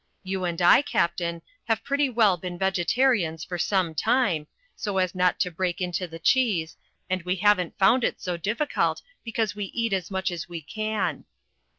You and I, Captain, have pretty well been vegetarians for some time, so as not to break into the cheese, and we haven't found it so difficult, because we eat as much as we can."